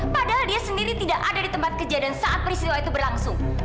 padahal dia sendiri tidak ada di tempat kejadian saat peristiwa itu berlangsung